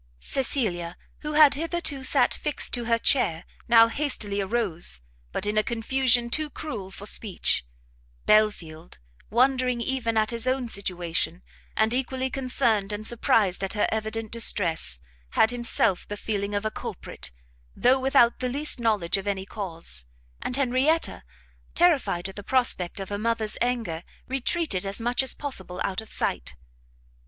Cecilia, who had hitherto sat fixed to her chair, now hastily arose, but in a confusion too cruel for speech: Belfield, wondering even at his own situation, and equally concerned and surprised at her evident distress, had himself the feeling of a culprit, though without the least knowledge of any cause: and Henrietta, terrified at the prospect of her mother's anger, retreated as much as possible out of sight.